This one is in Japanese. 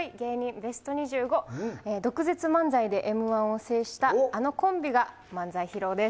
ベスト２５、毒舌漫才でＭー１を制したあのコンビが漫才披露です。